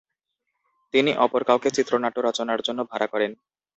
তিনি অপর কাউকে চিত্রনাট্য রচনার জন্য ভাড়া করেন।